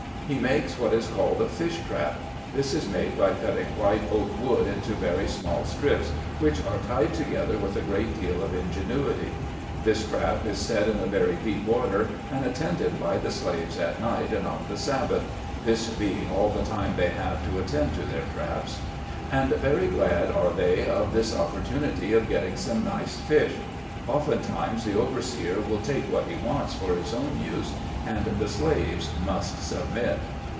He makes what is called a fish trap. This is made by cutting white oak wood into very small strips, which are tied together with a great deal of ingenuity. This trap is put in very deep water, and attended by the slaves at night, and on the Sabbath (this being all the time they have to attend to their traps ); and very glad are they of this opportunity of getting some nice fish. Often times the overseer will take what he wants for his own use, and the slaves must submit.